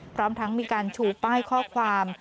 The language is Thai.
พร้อมทั้งมีการชูป้ายข้อความ